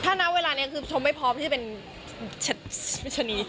ถ้านั้นเวลานี้คือชมไม่พร้อมที่จะเป็น